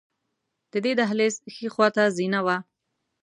د دې دهلېز ښې خواته زینه وه.